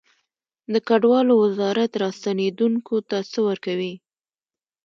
د کډوالو وزارت راستنیدونکو ته څه ورکوي؟